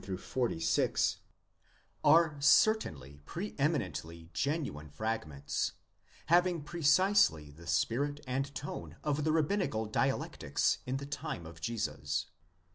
5 are certainly pre eminently genuine frag ments, having precisely the spirit and tone of the rabbinical dialectics in the time of Jesus.